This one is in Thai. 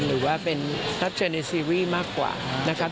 หรือว่าเป็นรับเชิญในซีรีส์มากกว่านะครับ